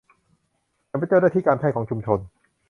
ฉันเป็นเจ้าหน้าที่การแพทย์ของชุมชน